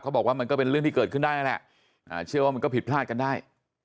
บอกว่ามันก็เป็นเรื่องที่เกิดขึ้นได้นั่นแหละเชื่อว่ามันก็ผิดพลาดกันได้